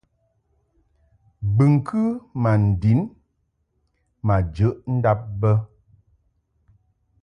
Bɨŋkɨ ma ndin ma jəʼ ndab bə.